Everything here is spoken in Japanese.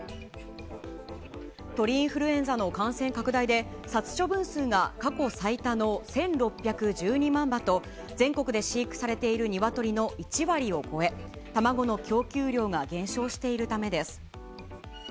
鳥インフルエンザの感染拡大で、殺処分数が過去最多の１６１２万羽と、全国で飼育されているニワトリの１割を超え、卵の供給量が減少しているためです。